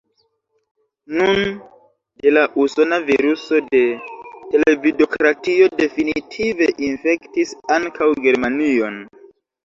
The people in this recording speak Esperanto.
Nun do la usona viruso de televidokratio definitive infektis ankaŭ Germanion.